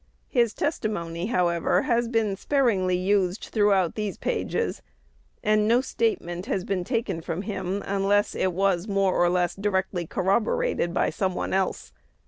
His testimony, however, has been sparingly used throughout these pages; and no statement has been taken from him unless it was more or less directly corroborated by some one else.